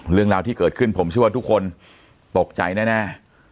เรื่องราวที่เกิดขึ้นผมเชื่อว่าทุกคนตกใจแน่